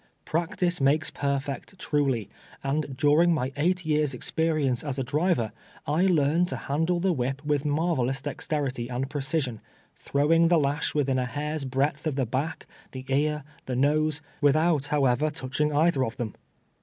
" Practice makes })er fect," truly ; and during my eight years' experience as a driver, I learned to handle the whip with mar velous dexterity and precision, throwing the lash wirhiu a hair's bi'eadth of the back, the ear, the nose, without, however, touching either of them.